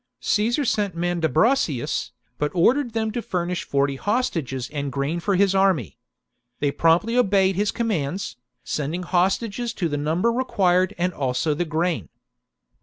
Caesar sent Mandu bracius, but ordered them to furnish forty hostages and grain for his army. They promptly obeyed his commands, sending hostages to the number required and also the grain.